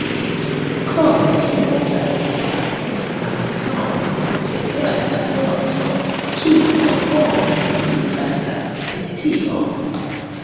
Krome ĝi montras pli ampleksan zonon de verda dorso, kio foje nomigas la specion.